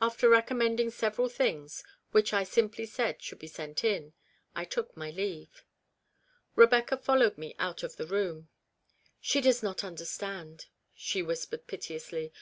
After recommending several things, which I simply said should be sent in, I took my leave. Rebecca followed me out of the room. " She does not understand,' 7 she whispered piteously.